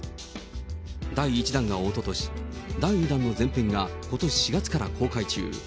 第１弾がおととし、第２弾の前編がことし４月から公開中。